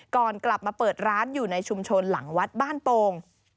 ก่อนกลับมาเปิดร้านอยู่ในชุมชนหลังวัดบ้านโป่ง